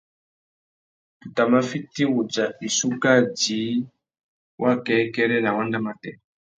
Tu tà mà fiti wudja wissú kā djï wakêkêrê nà wanda matê.